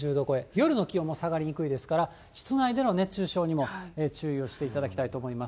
夜の気温も下がりにくいですから、室内での熱中症にも注意をしていただきたいと思います。